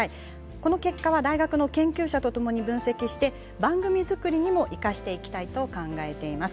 この結果は大学の研究者とともに分析して番組作りにも生かしていきたいと考えています。